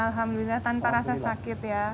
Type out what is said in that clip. alhamdulillah tanpa rasa sakit ya